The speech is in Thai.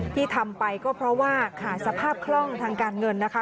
ที่ทำไปก็เพราะว่าขาดสภาพคล่องทางการเงินนะคะ